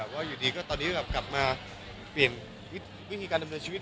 อย่างนี้ก็กลับมาเปลี่ยนวิธีการทำด้วยชีวิต